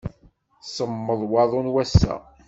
Semmeḍ waḍu n wass-a.